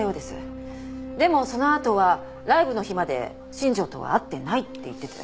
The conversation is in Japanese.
でもそのあとはライブの日まで新庄とは会ってないって言ってて。